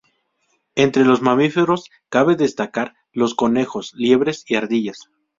Entre los mamíferos cabe destacar los conejos, liebres y ardillas.